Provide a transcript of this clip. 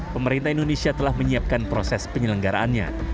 pemerintah indonesia telah menyiapkan proses penyelenggaraannya